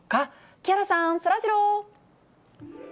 木原さん、そらジロー。